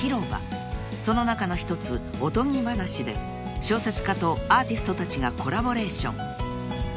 ［その中の１つＯＴＯＧＩＢＡＮＡＳＨＩで小説家とアーティストたちがコラボレーション］